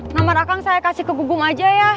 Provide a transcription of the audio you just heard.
nomor akang saya kasih ke gubum aja ya